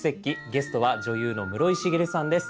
ゲストは女優の室井滋さんです。